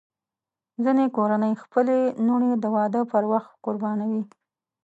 ځینې کورنۍ خپلې لوڼې د واده پر وخت قربانوي.